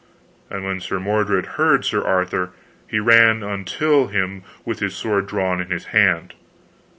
And when Sir Mordred heard Sir Arthur, he ran until him with his sword drawn in his hand.